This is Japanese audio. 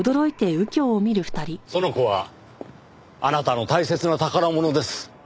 その子はあなたの大切な宝物です。